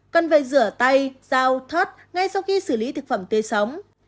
cần phải rửa tay dao thớt ngay sau khi xử lý thực phẩm tươi sống